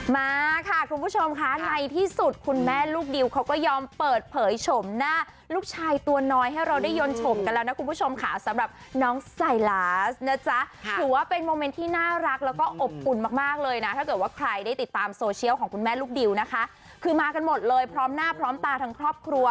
มาค่ะคุณผู้ชมค่ะในที่สุดคุณแม่ลูกดิวเขาก็ยอมเปิดเผยโฉมหน้าลูกชายตัวน้อยให้เราได้ยนชมกันแล้วนะคุณผู้ชมค่ะสำหรับน้องไซลาสนะจ๊ะถือว่าเป็นโมเมนต์ที่น่ารักแล้วก็อบอุ่นมากมากเลยนะถ้าเกิดว่าใครได้ติดตามโซเชียลของคุณแม่ลูกดิวนะคะคือมากันหมดเลยพร้อมหน้าพร้อมตาทั้งครอบครัว